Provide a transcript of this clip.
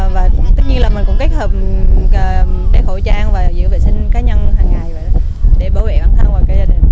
và tất nhiên là mình cũng kết hợp đeo khẩu trang và giữ vệ sinh cá nhân hàng ngày để bảo vệ bản thân và cho gia đình